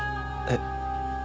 えっ。